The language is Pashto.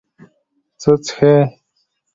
څه څښې؟